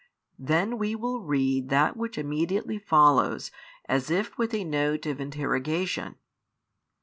Then we will read that which immediately follows as if with a note of interrogation